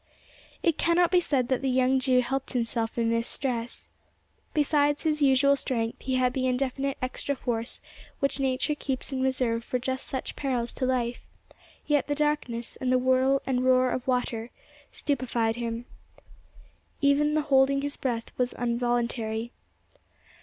It cannot be said that the young Jew helped himself in this stress. Besides his usual strength, he had the indefinite extra force which nature keeps in reserve for just such perils to life; yet the darkness, and the whirl and roar of water, stupefied him. Even the holding his breath was involuntary.